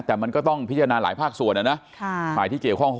แต่มันก็ต้องพิจารณาหลายภาคส่วนนะค่ะค่ะ